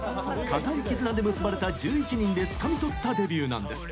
固い絆で結ばれた１１人でつかみ取ったデビューなんです。